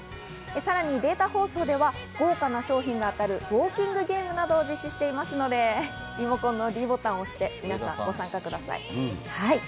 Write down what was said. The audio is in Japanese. さらにデータ放送では豪華な賞品が当たるウオーキングゲームなどを実施していますのでリモコンのｄボタンを押してご参加ください。